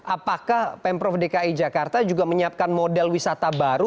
apakah pemprov dki jakarta juga menyiapkan model wisata baru